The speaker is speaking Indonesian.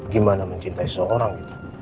gimana mencintai seseorang